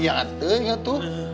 iya kan teh ya tuh